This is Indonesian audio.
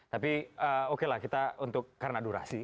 tapi oke lah kita untuk karena durasi